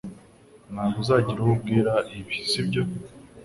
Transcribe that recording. Ntabwo uzagira uwo ubwira ibi, sibyo?